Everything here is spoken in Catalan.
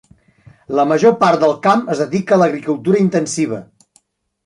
La major part del camp es dedica a l'agricultura intensiva.